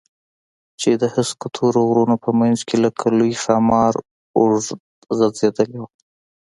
چې د هسکو تورو غرونو په منځ کښې لکه لوى ښامار اوږده غځېدلې وه.